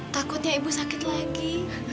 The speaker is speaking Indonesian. takutnya ibu sakit lagi